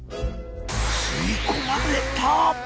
吸い込まれた！